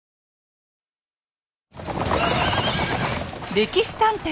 「歴史探偵」